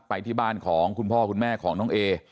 ไปที่บ้านของคุณพ่อคุณแม่ของน้องเอ